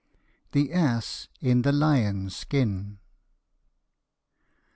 THE ASS IN THE LION'S SKIN.